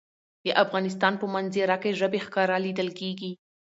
د افغانستان په منظره کې ژبې ښکاره لیدل کېږي.